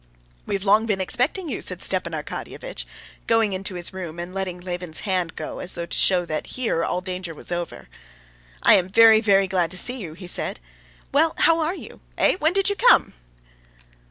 "We have long been expecting you," said Stepan Arkadyevitch, going into his room and letting Levin's hand go as though to show that here all danger was over. "I am very, very glad to see you," he went on. "Well, how are you? Eh? When did you come?"